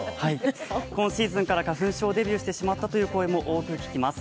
今シーズンから花粉症デビューしてしまったという声も多く聞きます。